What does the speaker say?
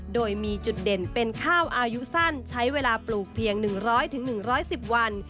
โดยมีจุดเด่นเป็นข้าวอายุสั้นใช้เวลาปลูกเพียง๑๐๐๑๑๐วัน